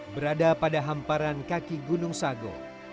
berada pada hamparan kaki gunung sago